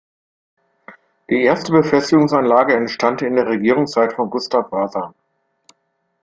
Die erste Befestigungsanlage entstand in der Regierungszeit von Gustav Wasa.